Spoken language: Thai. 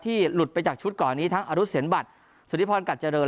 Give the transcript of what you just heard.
หลุดไปจากชุดก่อนนี้ทั้งอรุเซ็นบัตรสุธิพรกัดเจริญ